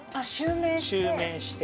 ◆襲名して？